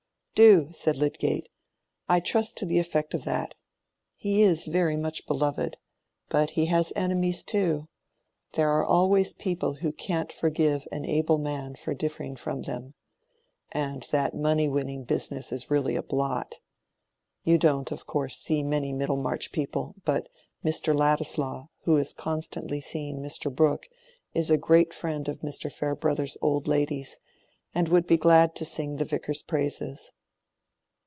"Do," said Lydgate; "I trust to the effect of that. He is very much beloved, but he has his enemies too: there are always people who can't forgive an able man for differing from them. And that money winning business is really a blot. You don't, of course, see many Middlemarch people: but Mr. Ladislaw, who is constantly seeing Mr. Brooke, is a great friend of Mr. Farebrother's old ladies, and would be glad to sing the Vicar's praises.